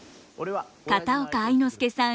片岡愛之助さん